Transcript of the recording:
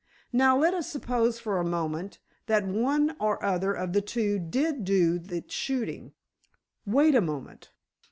Now, let us suppose for a moment, that one or other of the two did do the shooting—wait a moment!"